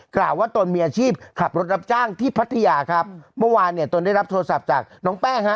กล่าวว่าตนมีอาชีพขับรถรับจ้างที่พัทยาครับเมื่อวานเนี่ยตนได้รับโทรศัพท์จากน้องแป้งฮะ